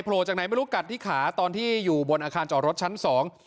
จากไหนไม่รู้กัดที่ขาตอนที่อยู่บนอาคารจอดรถชั้นสอง